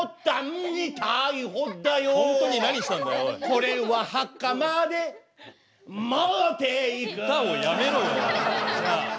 これは墓まで持っていく歌をやめろよじゃあ。